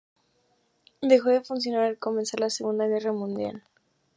Dejó de funcionar al comenzar la Segunda Guerra Mundial.